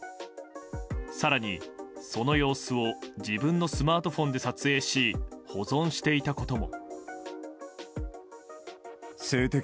更に、その様子を自分のスマートフォンで撮影し保存していたことも。